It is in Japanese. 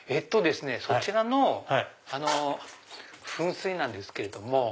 そちらの噴水なんですけど。